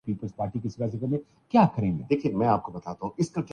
آل parties conference اور مذہب کی سیاست کیا مذہب کو